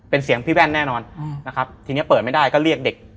เป็นเสียงพี่แว่นแน่นอนนะครับทีนี้เปิดไม่ได้ก็เรียกเด็ก